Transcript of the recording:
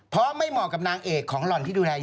เพราะไม่เหมาะกับนางเอกของหล่อนที่ดูแลอยู่